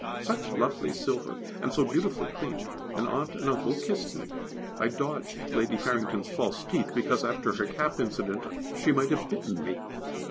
Such lovely silver, and so beautifully cleaned; and Aunt and Uncle kissed me. I dodged Lady Farrington's false teeth, because, after her cap incident, she might have bitten me.